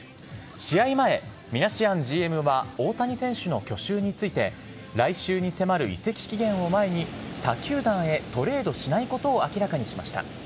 試合前、ミナシアンＧＭは大谷選手の去就について来週に迫る移籍期限を前に他球団へトレードしないことを明らかにしました。